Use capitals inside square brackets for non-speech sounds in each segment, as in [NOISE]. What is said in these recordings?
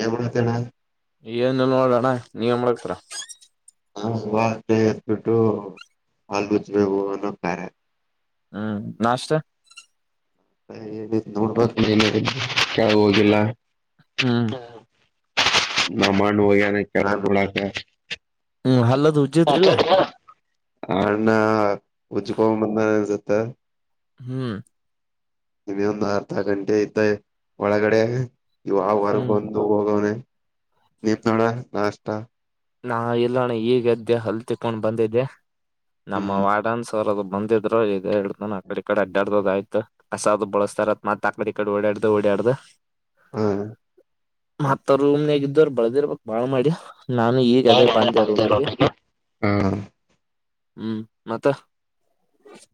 ಏನ್ ಮಾಡ್ತೇಣ ಏನಿಲ್ಲ, ನೋಡಣ. [INAUDIBLE] ನೀವೇನು, ಮಾಡುಕಾರುತೀರ. [INAUDIBLE] ಹ, ಬಷ್ಟೇ, ಎತ್ಬಿಟ್ಟು ಅಲ್ ಮುಚ್ಬೇಕೇವು ಅನ್ನೋ, ಬೇರೆ. [INAUDIBLE] ಹ್ಮ್, ನಷ್ಟ. [INAUDIBLE] ಹೇ, ನೋಡಬೇಕು, ಮೇಲೆ, ಕೆಳಗೆ, ಹೋಗಿಲ್ಲ. ಹ್ಮ್ [UNINTELLIGIBLE] ಹಾ.. [UNINTELLIGIBLE] ನಮಂಡು ನ ಕೆಳಕ ಹ್ಮ್ ಹಲ್ಲದ ಉಜ್ಜಿದ್ರಿಲ್ಲ [UNINTELLIGIBLE] ಅಣ್ಣ ಉಜ್ುಕೋ [UNINTELLIGIBLE] ಹಾ ಹ್ಮ್ ನಿಮ ಒಂದು ಅರ್ಧ ಗಂಟೆ ಐತ ಒಳಗಡೆ ಇವ ಆ ಹೊರ್ಗ ಹ್ಮ್ ಬಂದು ಹೋಗವನನೆ ನಿಂದಣ್ಣ ನಾಷ್ಟ ನಾ ಇಲ್ಲಣ್ಣ ಈಗ ಎದ್ದೆ ಹಲ್ ತಿಕೊಂಡ್ ಬಂದಿದ್ದೆ ನಮ್ಮ ಹ್ಮ್ ವಾಡನ್ ಸರೋದು ನಂದಿದ್ರು ಇದ ಹೇಳ ಅ ಆಕಡಿ ಕಡೆ ಅಡ್ಡ್ ಅದ ಆ್ತ ಹಸದ್ ಬಳಸ್ತಾರತ್ ಆಕಡಿ ಕಡೆ ಓಡಾಡ್ದು ಓಡಾಡ್ದ ಹ್ಮ್ ಮತ್ತ ರೂಮ್ನಗ ಇದ್ದವರ್ ಬಳದಿರ್ಬಕ್ ಬಾಳ್ ಮಾಡಿ ನಾನು ಈಗ ಅದೇ ಬಂದೆ ರೂಮಿಗೆ ಹ್ಮ ಹ್ಮ್ ಮತ್ತ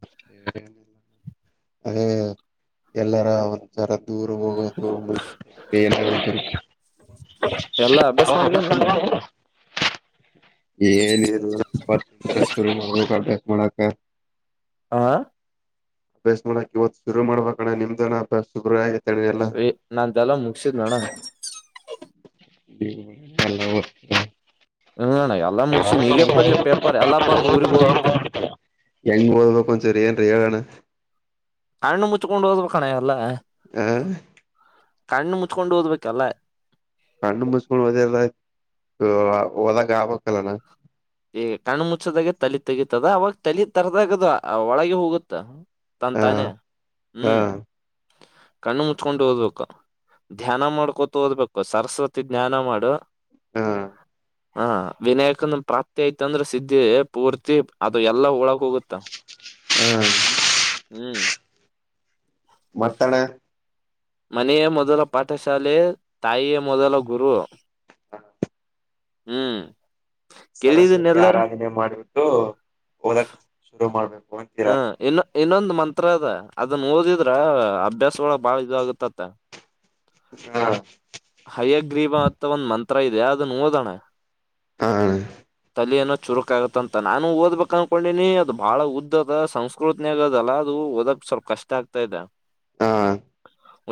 ಸರಿ ಅದೇ ಎಲ್ಲರ ಒಂದ್ಸರ ದೂರ ಹೋಗ ಹ ಏನ ಎಲ್ಲಾ ಅಭ್ಯಾಸ ಮಾಡಿದೇನಿಲ್ಲ ಏನ ಶುರು ಮಾಡಬೇಕೆ ವಳಕ ಆ ಅಭ್ಯಾಸ ಮಾಡಕಕ್ ಇವತ್ತು ಶರು ಮಾಡಬೇಕಣ ನಿಮ್ದನ ಅಭ್ಯಾಸ ಶುಗ ಆ ನಂದೆಲ್ಲ ಮುಗ್ಸಿದ್ನಣ್ಣ ಬ ಅ ಹ್ಮ ಅಣ್ಣ ಎಲ್ಲಾ ಮುಗಸಿನ್ ಈಗೆ ಕೊಡ್ಲಿ ಪೇಪರ್ ಎಲ್ಲಾ ಬರ್ದು ಊರಿಗ್ ಹೋಗ್ಬಿಡ್ತೇನೆ ಹೆಂಗ್ಬದದ ಕೊಂಚ ರಏನ್ ರೀಳ್ಾನ [UNINTELLIGIBLE] ಕಣ್ಮುಚ್ಚಿ ಹೋದ್ರು ಕಣೋ ಎಲ್ಲಾ ಆ ಕಣ್ಣು ಮುಚ್ಕೊಂಡು ಓದ್ಬೇಕಲ್ಲ ಕಣ್ಣು ಮುಚ್ಕೊಂಡು ಹದ ಒದಾಗ ಆಬಕ್ಕಲ್ಲಣ ಈ ಕಣ್ಣು ಮುಚ್ಚದಾಗೆ ತಲಿ ತೆಗೀತದ ಅವಾಗ ತಲಿ ತರದಾಗದು ಒಳಗೆ ಹೋಗುತ್ತಾ ಹ ತಂತಾನೆ ಹ ಹ್ಮ್ ಕಣ್ಣು ಮುಚ್ಕೊಂಡು ಓದ್ಬೇಕು ಧ್ಯಾನ ಮಾಡ್ಕೊತು ಓದ್ಬೇಕು ಸರಸ್ವತಿ ಧ್ಯಾನ ಮಾಡು ಹಾ ವಿನಾಯಕನ ಮತ್ತ ಐತಂದ್ರ ಸಿದ್ದಿ ಪೂರ್ತಿ ಅದು ಎಲ್ಲಾ ಉಳಕ್ ಹೋಗುತ್ತ ಹ್ಮ್ ಹ್ಮ್ ಮತ್ತಣೆ ಮನೆಯೇ ಮೊದಲ ಪಾಠಶಾಲೆ ತಾಯಿಯೇ ಮೊದಲ ಗುರು ಹ್ಮ್ ಕೇಳಿದೀನ್ ಸರಸ್ವತಿ ಎಲ್ಲಾರ ಆರಾಧನೆ ಮಾಡಿಬಟ್ಟು ಓದಕ್ ಶುರು ಮಾಡ್ಬೇಕು ಹಾ ಅಂತೀರಾ ಇಲ್ಲ ಇನ್ನೊಂದು ಮಂತ್ರ ಅದ ಅದನ್ ಓದಿದ್ರ ಅಭ್ಯಾಸ ಒಳ ಬಾಳ ಇದ್ ಆಗುತ್ತತ್ತ ಹಾ ಹಯ್ಯಗ್ರೀಬಂತ ಒಂದ್ ಮಂತ್ರ ಇದೆ ಅದನ್ನು ಓದೋಣ ಹ ತಲೆ ಏನೋ ಚುರುಕ ಆಗತ್ತ ಅಂತ ನಾನ ಓದ್ಬೇಕಕ್ ಅನ್ಕೊಂಡಿನಿ ಅದು ಬಹಳ ಉದ್ದದ ಸಂಸ್ಕೃತನ ಆಗದಲ್ಲ ಅದು ಓದಕ್ ಸ್ವಲ್ಪ ಕಷ್ಟ ಆಗ್ತಾದೆ ಹಾ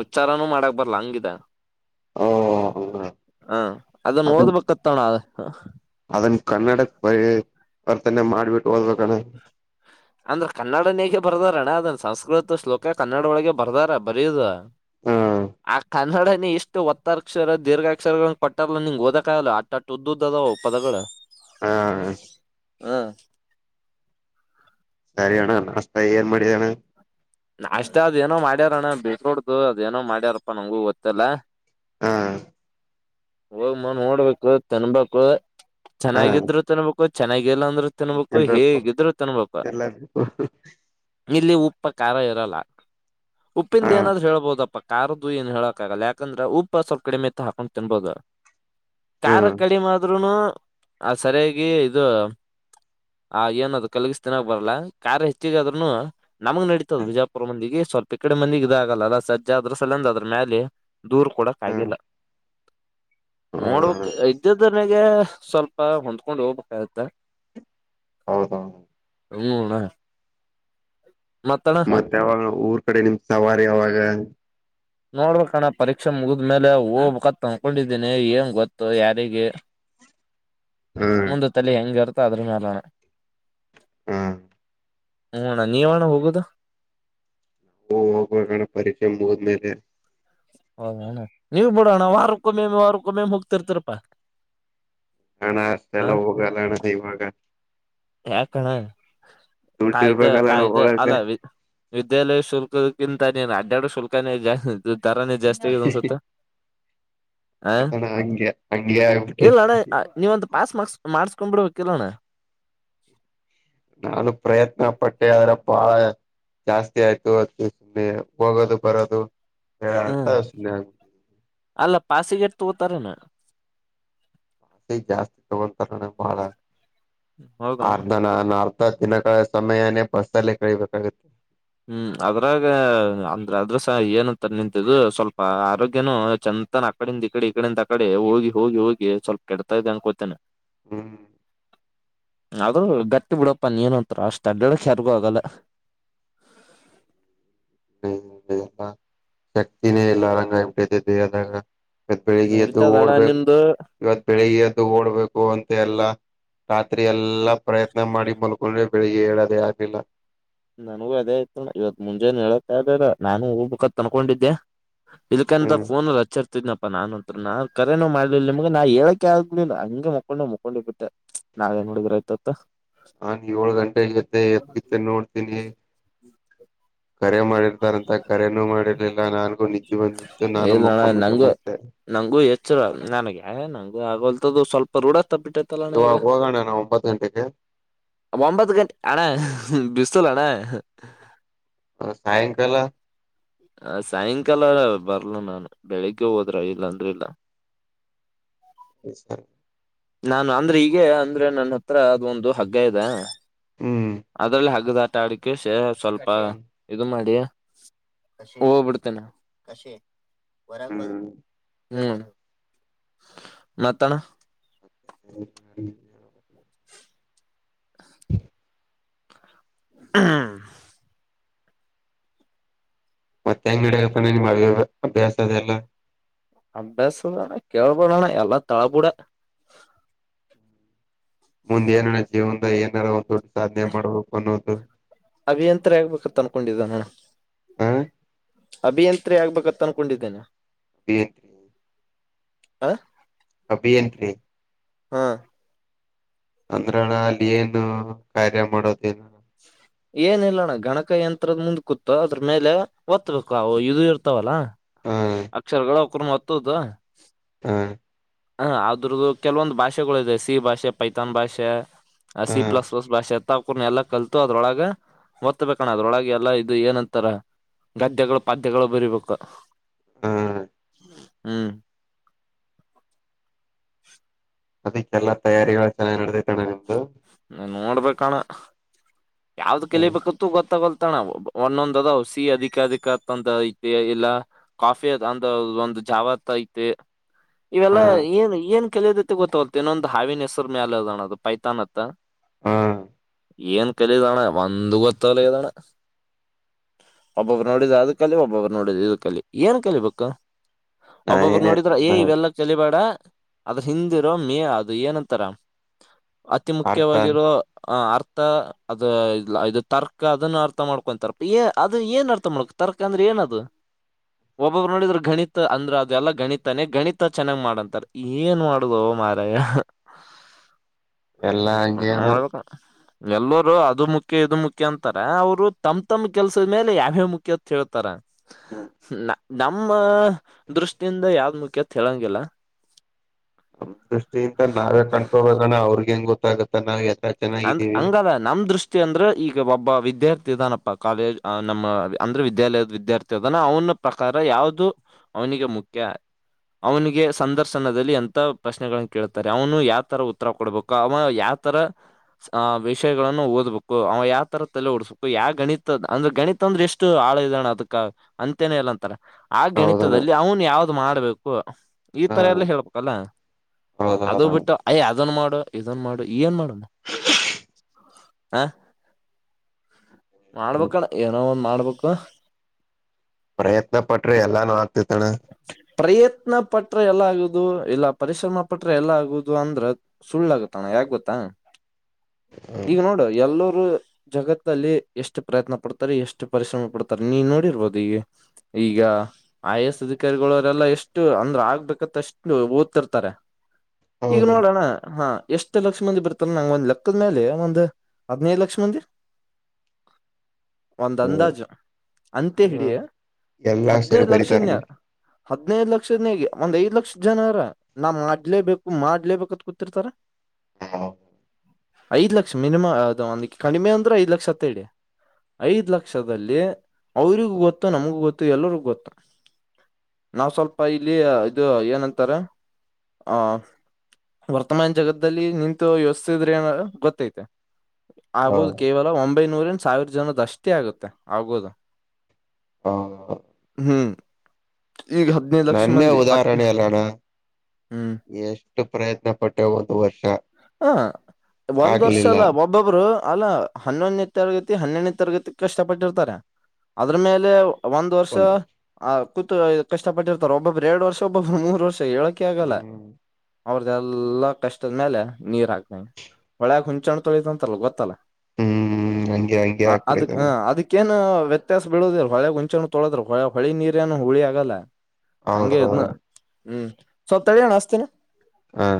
ಉಚ್ಚಾರನೂ ಮಾಡಕ್ ಬರಲ್ಲ ಹಂಗಿದ್ದೆ ಓ ಹಾ ಅದನ್ನು ಓದಬೇಕತ್ತಣ ಅದುನ್ನ ಕನ್ನಡ ವರ್ತನೆ ಮಾಡ್ಬಿಟ್ಟು ಓದಬೇಕಣ ಅಂದ್ರ ಕನ್ನಡನೇಕ ಬರ್ದಾರಣ್ಣ ಅದನ್ ಸಂಸ್ಕೃತ ಶ್ಲೋಕ ಕನ್ನಡ ಒಳಗೆ ಬರ್ದಾರ ಬರಯುದು ಹ್ಮ್ ಆ [INAUDIBLE] ಕನ್ನಡನ ಇಷ್ಟು ಒತ್ತ ಅಕ್ಷರ ದೀರ್ಘಾಕ್ಷರಗಳ ಪಟ್ಟಲ್ಲ ನಿಂ ಓದಕಕ್ಗಲ್ಲ ಅಟ್ಟ ಉ್ದದ್ದದ್ದದಾವೆ ಪದಗಳು ಹಾ ಹ ಸರಿ ಅಣ್ಣ ನಾಷ್ಟಾ ಏನ್ ಮಾಡಿದಣ್ಣ ನಾಷ್ಟ ಅದೇನೋ ಮಾಡ್ಯಾರಣ್ಣ ಡ್ರೈಫ್ರೂಟ್ದು ಅದೇಏನೋ ಮಾಡ್ಯಾರಪ್ಪಾ ನಂಗೂ ಗೊತ್ತಿಲ್ಲ ಹಾ ಹೋಗ್ಮ ನೋಡ್ಬೇಕು ತಿನ್ಬೇಕು ಹಾ ಚೆನ್ನಾಗಿದ್ರು ತಿನ್ಬೇಕು ಚೆನ್ನಾಗಿಲ್ಲ ಅಂದ್ರು ತಿನ್ಬೇಕು ಹೇಗಿದ್ರು ತಿನ್ಬೇಕು ಎಲ್ಲಬೇಕು ಇಲ್ಲಿ ಉಪ್ಪ ಕಾರ ಇರಲ್ಲ ಹಾ ಉಪ್ಪಿಂದೇಯಾನಾದ್ರೂ ಹೇಳಳ್ಬಹದಪ್ಪ ಕರದು ಏನ್ ಹೇಳಕ್ ಆಗಲ್ಲ ಯಾಕಂದ್ರೆ ಉಪ್ಪ ಸ್ವಲ್ಪ ಕಡಿಮೆತ್ತ ಹಾಕೊಂಡ್ ತಿನ್ಬೋದ ಖಾರ ಹ್ಮ್ ಕಡಿಮೆ ಆದ್ರುನು ಅ ಸರಿಯಾಗಿ ಇದು ಆ ಏನ ಅದು ಕಲ್ಗಿಸ್ತನಾಗ ಬರಲ್ಲ ಕಾರಾರ್ ಹೆಚ್ಚಿಗೆ ಅದ್ನು ನಮಗ್ ನಡಿಯುತ್ತೆ ಇ ಹ್ಮ ವಿಜಾಪುರ ಮಂದಿಗೆ ಸ್ವಲ್ಪ ಈ ಕಡೆ ಮಂದಿಗೆ ಇದಾಗಲ್ಲಲ್ಲ ಸಜ್ಜ ಅದ್ರ ಸಲಂದುದ್ರ ಮೇಲೆ ದೂರ್ ಕೊಡಕ್ ಆಗಿಲ್ಲ- ಹೌದಣ ನೋಡ್ಬೇಕ್ ಇದ್ದದನಗೆ ಸ್ವಲ್ಪ ಹೊಂದ್ಕೊಂಡು ಹೋಗ್ಬೇಕಾಗತೇ ಹೌದು ಹ್ಮ್ನ್ನಾ ಮತ್ತೆ ಅವಾಗ ಊರ್ ಕಡೆ ನಿಮ್ದ ಸವಾರಿ ಯಾವಾಗ ನೋಡ್ಬೇಕಣ್ಣ ಪರೀಕ್ಷೆ ಮುಗಿದ್ಮೇಲೆ ಒಘಬಾಕ್ ಅಂದಕೊಂಡಿದ್ದೀನಿ ಏನ್ ಗೊತ್ತು ಯಾರಗ ಹ್ಮ್ ಮುಂದ ತಲೆ ಹೆಂಗರ್ತ ಅಮೇಲಣ ಹ್ಮ ಹ್ಮ್ ಅಣ್ಣ ನೀವಣ್ಣ ಹೋಗುದು ಓ ಹೋಗ್ಬೇಕಣ ಪರೀಕ್ಷೆ ಮುಗದ್ಮೇಲೆ ಹೌದ ಅಣ್ಣ ನೀವ್ ಬಿಡೋಣ ವಾರಕ್ಕೂ ಮೇ ವಾರಕ್ಕ ಹೊ ಮಮ ಹೋಗ್ತಿರ್ತಾರಪ್ಪಾ ಅಣ್ಣ ಅಷ್ಟೆ ಎಲ್ಲ ಹೋಗಲ್ಲ ಅಣ್ಣ ಇವಾಗ ಯಾಕ ಅಣ್ಣ ದುಡ್ಡು ಕಾಯ್ದಾ ಇರ್ಬೇಕಲ್ಲಣ ಕಾಯ್ದಾ ಹೋಗಕ್ಕೆ ಅಲ್ಲ ವಿದ್ಯಾಲಯ ಶುಲ್ಕ ಎಂಥ ನೀ ಅಡ್ಡಡ್ಡು ಶುಲ್ಕನೇ ಜಾಸ್ತಿ ತಾರಾನೇ ಜಾಸ್ತಿ ಆಗಿದೆ ಅನ್ಸುತ್ತ ಹ ಅಣ ಹಂಗೆ ಹಂಗೆ ಆಗ್ಬಿಟ್ಟೆ ಇಲ್ಲ ಅಣ್ಣ ನೀವಂತ ಪಾಸ್ [UNINTELLIGIBLE] ಮಾಡ್ಸ್ಕೊಂಡ್ ಬಿಿಡಬೇಕ ಕಲೋಣ್ಣ ನಾನು ಪ್ರಯತ್ನ ಪಟ್ಟೆ ಅ್ರ ಬಾ ಜಾಸ್ತಿ ಆಯ್ತು ಅದು ಸುಮ್ಮನೆ ಹೋಗೋದು ಬರೋದು ಹ್ಮ್ ಹ ಸುಮ್ಮನೆಬೇಟೇನೆ ಅಲ್ಲ ಪಾಸಿಗೆಟ್ ತಗೋತಾರನ ಆಸೆ ಜಾಸ್ತಿ ತಗೊಳ್ತಾರಣ ಬಾಳ ಹೌದ ಆರ್ಧನ [UNINTELLIGIBLE] ದಿನಗಳ ಸಮಯನೇ ಬಸ್ಸಲ್ಲೇ ಕಳಬೇಕಾಗುತ್ತೆ ಹ್ಮ್ ಅದ್ರಾಗ ಅಂದ್ರ ಅದ್ರಸ ಏನಂತ ನಿಂತಿದ್ದ್ ಸ್ವಲ್ಪ ಆರೋಗ್ಯನು ಚಂದಂತಾನ ಅಕಡಿಂದ ಈ ಕಡೆ ಈಕಡಿಂದ ಆಕಡೆ ಹೋಗಿ ಹೋಗಿ ಹೋಗಿ ಸ್ವಲ್ಪ ಕೆಡ್ತಾ ಇದೆ ಅನ್ಕೋತೇನೆ ಹ್ಮ್ ಆದ್ರೂ ಗತ್ತಿ ಬಿಡಪ್ಪ ನೀ ಏನ್ ಅಂತಾರ ಅಷ್ಟು ಅಡ್ಡಡಕ್ಕೆ ಯಾರ್ಗು ಆಗಲ್ಲ [UNINTELLIGIBLE] ಎಲ್ಲ ಶಕ್ತಿನೇ ಎಲ್ಲ ರಂಗ ಆ್ಬಿಟ್ಟತ ದೇವದಾಗ ಇವತ್ ಬಳಗ್ಗೆಯತ್ತು ನಡೀತದಣ್ಣ ಓಡ್ಬೇಕು ನಿಂದು ಇವತ್ತು ಬಳಗ್ಗೆತ್ತು ಇ ಓಡ್ಬೇಕು ಅಂತ ಎಲ್ಲ ರಾತ್ರಿ ಎಲ್ಲಾ ಪ್ರಯತ್ನ ಮಾಡಿ ಮಲ್ಕೊಂಡ್ರೆ ಬೆಳಿಗ್ಗೆ ಹೇಳೋದೇ ಆಕಿಲ್ಲ ನನಗೂ ಅದೇ ಆತ ಇವತ್ ಮುಂಜೆನೆ ಹೇಳತ್ತ ಆದಾರ ನಾನು ಹೂ ಬುಖತ್ ತನ್ಕೊಂಡಿದ್ದೆ ಇಲ್ಕಂತ ಹ್ಮ್ ಫೋನ್ಲ್ಲಿ ಹಚ್ಚರ್ ನಪ್ಪಾ ನಾನನ್ ಅಂತ್ ನಾ ಕರೆನೋ ಮಾಡಲಿಲ್ಲ ನಿಮ್ಗೆ ನಾ ಹೇಳಕ ಆಗ್ಬ ಹಂಗೆ ಮುಕೊಂಡ ಮುಕೊಂಡಿ ಬಿಟ್ಟೆ ನಾವೇನ್ ನುಡಿದ್ರ ಆಯತತ್ ಹಾ ನೀ ಏಳು ಗಂಟೆ ಇಗತ್ತ ಎದಗಿತ್ತ ನೋಡ್ತೀಿ [UNINTELLIGIBLE] ಕರೆ ಮಾಡಿರ್ತಾರಂತ ಕರೆನೂ ಮಾಡಿರ್ಲಿಲ್ಲ ನನ್ಗೂ ನಿದ್ದೆ ಬಂದ್ಬಿಡ್ತು ನಾನು ಇಲ್ಲಣ್ಣ ಮಕ್ಕೊಂಡ್ಬಿಟ್ಟೆ ನಂಗು ಮತ್ತೆ ಆಗಲ್ತದದು ಸ್ವಲ್ಪ ರೂಢ ಟ್ಟತಲ್ಲಣ ಈಗ ಇವಾಗ ಹೋಗೋಣ ನಾ ಒಂಬತ್ ಗಂಟೆಗೆ ಒಂಬತ್ತು ಗಂಟೆ ಅಣ್ಣ [UNINTELLIGIBLE] ಅಣ್ಣ ಸಾಯಂಕಾಲ ಹ ಸಾಯಂಕಾಲ ಬರ್ಲ ನಾನು ಬೆಳಿಗ್ಗೆ ಹೋದ್ರ ಇಲ್ಲಂದಿಲ್ಲ [UNINTELLIGIBLE] ನಾನು ಅಂದ್ರೆ ಈೀಗ ಅಂದ್ರೆ ನನ್ನ ಹತ್ರ ಅದು ಒಂದು ಹಗ್ಗ ಇದೆ ಹ್ಮ್ ಅದ್ರಲ್ಲಿ ಹಗದ ಅಡಕ್ಕೆ ಸೇ ಸ್ವಲ್ಪ ಹ್ಮ್ ಇದು ಮಾಡಿ ಹೋಗ್ಬಿಡ್ತೇನಾ ಕಾಶಿ ಬರಗಬರೀ ಹ್ಮ್ ಮತ್ತ ಅಣ್ಣಾ [UNINTELLIGIBLE] ಹ್ಮ್ ಮತ್ತೆ ಹೆಂಗನಡಾನ ನಿಮ್ಮ್ ಅ ಅಭ್ಯಾಸ ಅದೆಲ್ಲಾ ಅಭ್ಯಾಸಣ್ಣ ಕೇಳ್ಬಡಣ ಎಲ್ಲಾ ತಳಾಬೂಡಾ ಮುಂದ್ ಏನ ಜೀವನದಾಗ ಏನಾರ [UNINTELLIGIBLE] ಸಾಧನೆ ಮಾಡವ ಬೇಕು ಅನೂದು ಅಭಿಯಂತರ ಆಗ್ಬೇಕತ್ ಅನ್ಕೊಂಡಿದ್ದ ನಾನು ಹಾ ಅಭಿಯಂತ್ರಿ ಆಗ್ಬೇಕತ್ ಅನ್ಕೊಂಡಿದ್ದೇನೆ ಅಭಿಯಂತ್ರಿ ಹಾ ಅಬಿಯಂತೀ ಹಾ ಅಂದ್ರಣ ಅಲ್ಲಿ ಏನು ಕಾರ್ಯ ಮಾಡೋದು [UNINTELLIGIBLE] ಏನಿಲ್ಲಣ್ಣ ಗಣಕ ಯಂತ್ರದ ಮುಂದ್ ಕೂತ ಅದ್ರ ಮೇಲೆ ಒತ್ತಬೇಕು ಅವು ಇದು ಇರ್ತಾವಲ್ಲಾ ಹ ಅಕ್ಷರಗಳ ಅವಕುರ್ ನ್ ಒತ್ತುದ ಹಾ ಹ ಆದ್ರದ್ದು ಕೆಲವೊಂದು ಭಾಷೆಗಳು ಇದೆ ಸಿ ಭಾಷೆ ಪೈತಾನ್ ಭಾಷೆ ಹ ಅಸಿ ಪ್ಲಸ್ ಪ್ಲ ಭಾಷೆತ್ ಅವಕೂರ್ನ ಎಲ್ಲಾ ಕಲ್ತು ಅದ್ರೊಳಗ ಒತ್ತಬೇಕಣ್ಣ ಅದ್ರೊಳ ಎಲ್ಲಾ ಇದು ಏನಂತಾರ ಗದ್ಯಗಳು, ಪದ್ಯಗಳು, ಬರಿಬೇಕು. ಹಾ ಹ್ಮ್ ಅದಕ್ಕೆಲ್ಲಾ ತಯಾರಿಗಳು ಚೆನ್ನಾಗಿ ನಡೆದತಣ್ಣ ನಿಮ್ದು ನ ನೋಡ್ಬೇಕಣ ಯಾವ್ದ್ ಹ ಕಲಿಬೇಕತ್ತು ಗೊತ್ತಾಗವಲದ ಣ ಒಂದೊಂದ್ ಅದ ಸಿ ಅದಿಕ ಅದಿಕಂದ ಐತಿ ಇಲ್ಲ ಕಾಫಿ ಅಂದ ಒಂದು ಜಾವತ್ ಐತಿ ಇವೆಲ್ಲಾ ಹ ಏನ್ ಏನ್ ಕೆಲದತಿ ಗೊತ್ತಾಗತ್ತ ಇನ್ನೊಂದು ಹಾವಿನ ಹೆಸ್ರ ಮ್ಯಾಲ ಅದಣ ಅದು ಪೈತಾನ್ ತ್ತ ಹಾ ಏನ್ ಕಲಿದಣ್ಣ ಒಂದು ಗೊತ್ತಲ್ಲದಣ್ಣ ಒಬ್ಬೊಬ್ಬರು ನೋಡಿದ ಅದ ಕಲಿ ಒಬ್ಬೊಬ್ಬರು ನೋಡಿದ ಇದ ಕಲಿ ಏನ್ ಕಲಿಬೇಕ ನಾ ಒಬ್ಬೊಬ್ರು ಏನ್ ನೋಡಿದ್ರ ಏ ಹೇಳ್ತೇನ ಇವೆಲ್ಲಾ ಚಳಿಬೇಡ ಅದ್ರ ಹಿಂದಿರೋ ಮೇ ಅದು ಏನಂತಾರ ಅತಿ ಅರ್ಥ ಮುಖ್ಯವಾಗಿರೋ ಅರ್ಥ ಅದ ಇದು ತರ್ಕ ಅದನ್ನ ಅರ್ಥ ಮಾಡ್ಕೊಂತರ್ ಏ ಅದು ಏನ್ ಅರ್ಥ ಮಾಡ್ಕೊ ತರ್ಕ ಅಂದ್ರೆ ಏನ ಅದ ಒಬ್ಬೊಬ್ರು ನೋಡಿದ್ರ ಗಣಿತ ಅಂದ್ರ ಅದು ಎಲ್ಲ ಗಣಿತನೇ ಗಣಿತ ಚೆನ್ನಾಗ್ ಮಾಡಂತಾರ ಏನ್ ಮಾಡುದು ಮಾರಯಾ ಎಲ್ಲಾ ಹಂಗೇಣ ಎಲ್ಲರೂ ಅದು ಮುಖ್ಯ ಇದು ಮುಖ್ಯ ಅಂತಾರ ಅವ್ರು ತಮ್ ತಮ ಕೆಲ್ಸದ ಮೇಲೆ ಯಾವ್ಯ ಮುಖ್ಯ ಅಂತ ಹೇಳ್ತಾರ. [UNINTELLIGIBLE] ನಮ್ಮ ದೃಷ್ಟಿಯಿಂದ ಯಾವ್ ಮುಖ್ಯತ್ ಹೇಳಂಗಿಲ್ಲ ನಮ್ ದೃಷ್ಟಿಯಿಂದ ನಾವೇ ಕಣ್ಕೋಬೇಕಣ ಅವ್ರಗ ಹೆಂಗ ಗೊತ್ತಾಗತ್ತ ನಾವ್ ಅಂದ್ ಚೆನ್ನಾಗಿದ್ದೀವಿ ಹಂಗಲ್ಲ ನಮ್ ದೃಷ್ಟಿ ಅಂದ್ರೆ ಈಗ ಒಬ್ಬ ವಿದ್ಯಾರ್ಥಿ ಇದಾನಪ್ಪ ಕಾಲೇಜ್ ನಮ್ಮ ಅಂದ್ರೆ ವಿದ್ಯಾಲಯದ ವಿದ್ಯಾರ್ಥಿಾನ ಅವನ ಪ್ರಕಾರ ಯಾವುದು ಅವನಿಗೆ ಮುಖ್ಯ ಅವನಿಗೆ ಸಂದರ್ಶನದಲ್ಲಿ ಎಂತ ಪ್ರಶ್ನೆಗಳನ್ನ ಕೇಳ್ತಾರೆ ಅವನು ಯಾವತರ ಉತ್ತರ ಕೊಡ್ಬೇಕ ಅವ ಯಾವತರ ವಿಷಯಗಳಗಳನ್ನು ಓದ್ಬೇಕು ಅವ ಯಾವ ತರ ತಲೆ ಓಡಸ್ಬೇಕು ಯಾವ ಗಣಿತ ಅಂದ್ರೆ ಗಣಿತ ಅಂದ್ರೆ ಎಷ್ಟು ಆಳ ಇದಣ ಅದಕ್ಕ ಅಂತೇನೆೇ ಎಲ್ಲ ಅಂತಾರ ಆ ಹೌದಣ ಗಣಿತದಲ್ಲಿ ಅವನು ಯಾವ್ದ ದು ಮಾಡ್ಬೇಕು ಈ ಹಾ ತರ ಎಲ್ಲ ಹೇಳ್ಬೇಕಲ್ಲ ಅದು ಹೌದೌದಣ ಬಿಟ್ಟು ಯ ಇದನ್ ಮಾಡ ಇದನ್ ಮಾಡ ಏನ್ ಮಾಡಣ ಹ ಮಾಡ್ಬೇಕಣ್ಣ ಏನೋ ಒಂದು ಮಾಡ್ಬೇಕು ಪ್ರಯತ್ನ ಪಟ್ರಿ ಎಲ್ಲಾನು ಆಗ್ತಿತ್ತಣ್ಣ ನ ಪಟ್ರ ಎಲ್ಲ ಆಗುದು ಇಲ್ಲ ಪರಿಶ್ರಮ ಪಟ್ರ ಎಲ್ಲ ಆಗುದು ಅಂದ್ರ ಸುಳ್ಳು ಆಗತ್ತಣ ಯಾಕ ಗೊತ್ತಾ ಈಗ ನೋಡು ಎಲ್ಲೋ ಇರು ಜಗತ್ತಲ್ಲಿ ಎಷ್ಟು ಪ್ರಯತ್ನ ಪಡ್ತಾರೆ ಎಷ್ಟು ಪರಿಶ್ರಮ ಪಡ್ತಾರೆ ನೀನ್ ನೋಡಿರ್ಬೋದು ಈಗ ಈಗ ಐ ಎ ಎಸ್ ಅಧಿಕಾರಿಗಳವರೆಲ್ಲಾ ಎಷ್ಟು ಅಂದ್ರ ಆಗ್ಬೇಕಂತ ಅಷ್ಟು ಓದ್ತಿರ್ತಾರೆ ಈಗ ಹೌದು ನೋಡೋಣ ಹಾ ಎಷ್ಟು ಲಕ್ಷ ಮಂದ ಬರ್ತ ನಂಗ ಒಂದ್ ಲೆಕ್ಕದ ಮೇಲೆ ಒಂದ್ ಹದ್ಿನೈದು ಲಕ್ಷ ಮಂದಿ ಒಂದ್ ಅಂದಾಜು ಅಂತ ಹಿಡಿಯ ಎಲ್ಲಾ ಸೇರಿ ಹದ್ನೈದು ಬರಿತಾರಣ ಲಕ್ಷನ್ಯ ಹದ್ನೈದು ಲಕ್ಷ ಲಕ್ಷದನಗೆ ಒಂದ್ ಐದ್ ಲಕ್ಷ ಜನರ ನಾವ್ ಮಾಡ್ಲೇಬೇಕು ಮಾಡ್ಲೇಬೇಕತ್ ಕೂತಿರ್ತಾರ ಹ ಐದ್ ಲಕ್ಷ ಮಿನಿಮ ಅದು ಒಂದ ಕಡಿಮೆ ಅಂದ್ರೆ ಐದ್ ಲಕ್ಷ ಅತ್ತ ಇಡಿ ಐದ್ ಲಕ್ಷದಲ್ಲಿ ಅವ್ರಿಗೂ ಗೊತ್ತು ನಮಗೂ ಗೊತ್ತು ಎಲ್ಲರಿಗೂ ಗೊತ್ತು ನಾವ್ ಸ್ವಲ್ಪ ಇಲ್ಲಿ ಇದು ಏನಂತಾರೆ ಆಹ ವರ್ತಮಾನ ಜಗದದಲ್ಲಿ ನಿಂತ ಯೋಸ್ತಿದ್ರಿ ಅ ಗೊತ್ತೈತೆ ಆಗೋ ಹ ಕೇವಲ ಒಂಬ ಒಂಬೈನೂರನ್ ಸಾವಿರ ಜನದ ಅಷ್ಟೇ ಆಗುತ್ತೆ ಆಗೋದು ಹಾ ಹ್ಮ್ ಈಗ ಹದ್ನೈದು ಲಕ್ಷ ನನ್ನೇ ಮಂದಿ ಹತ್ ಉದಾಹರಣೆ ಅಲ್ಲಣ್ಣ ಹ್ಮ್ ಎಷ್ಟು ಪ್ರಯತ್ನ ಪಟ್ಟೆ ಒಂದು ವರ್ಷ ಹ ಒಂದ್ ವರ್ಷ ಆಗ್ಲಿಲ್ಲ ಅಲ್ಲ ಒಬ್ಬೊಬ್ರು ಅಲ್ಲ ಹನ್ನೊಂದನೇ ತರಗತಿ ಹನ್ನೆನ ತರಗತಿ ಕಷ್ಟಪಟ್ಟಿರ್ತಾರೆ ಅದ್ರ ಮೇಲೆ ಒಂದು್ ವರ್ಷ ಒಂದು ಆ ಕೂ ಕಷ್ಟಪಟ್ಟರ್ತಾರೆ ಒಬ್ಬಬ್ಬ ಎರಡು ವರ್ಷ ಒಬ್ಬಬ್ಬ ಮೂರು ವರ್ಷ ಹೇಳಕೆ ಆಗಲ್ಲ ಹ್ಮ್ ಅವ್ರ್ದೆಲ್ಲ ಕಷ್ಟದ ಮೇಲೆ ನೀರ್ಾಗ್ತ ಒಳಯಾಗ ಹುಂಚಣ್ ತೊಳಿತ ಅಂತಲ್ಲ ಗೊತ್ತಲ್ಲ ಹ್ಮ್ ಹಂಗೆ ಹಂಗೆ ಹ ಅದ ಹ ಆಗ್ಬಿಡಿದ್ದಾನ ಅದಕ್ಕೆ ನ್ ಏ ವ್ಯತ್ಯಾಸ ಬಿಳುದ್ರ ಹೊಳೆಗಂಚೆನ ತೊಳದ್ರರು ಹೊೆ ಹೊಳಿ ನೀರ ಏನು ಹುಳಿ ಆಗಲ್ಲ ಹಂಗೆ ಹೌದೌ. ಇದ್ನ ಹ್ಮ್ ಸವತ್ತಳಣಸ್ತೀಿನ. ಹಾ.